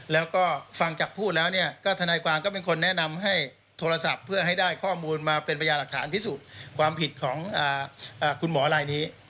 แล้วก็ฟังจากพูดแล้วเนี่ยก็ทนายความก็เป็นคนแนะนำให้โทรศัพท์เพื่อให้ได้ข้อมูลมาเป็นพยาหลักฐานพิสูจน์ความผิดของคุณหมอลายนี้